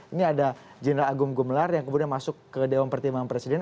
ini ada general agung gumelar yang kemudian masuk ke dewan pertimbangan presiden